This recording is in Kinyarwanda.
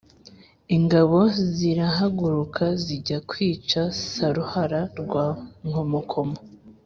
Ingabo zirahaguruka, zijya kwica Saruhara rwa Nkomokomo